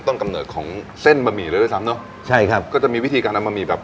กำเนิดของเส้นบะหมี่เลยด้วยซ้ำเนอะใช่ครับก็จะมีวิธีการนำบะหมี่แบบ